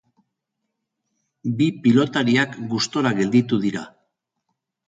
Bi pilotariak gustura gelditu dira.